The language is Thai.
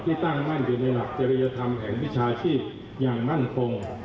ที่ตั้งมั่นอยู่ในหลักจริยธรรมแห่งวิชาชีพอย่างมั่นคง